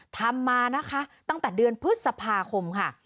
ทำมานะคะตั้งแต่เดือนพฤษภาคมค่ะ